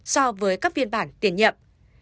so với các viên bản tiền nhậm